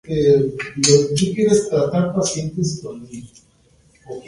El voto fue abierto a los estudiantes, trabajadores temporales o residentes permanentes.